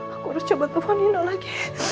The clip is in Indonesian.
aku harus coba telepon nino lagi